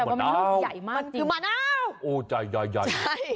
มะนาวมันคือมะนาวโอ้โหใหญ่